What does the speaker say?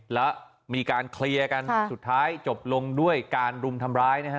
แล้วมีการเคลียร์กันสุดท้ายจบลงด้วยการรุมทำร้ายนะฮะ